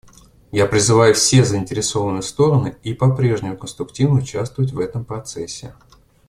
Я призываю все заинтересованные стороны и по-прежнему конструктивно участвовать в этом процессе.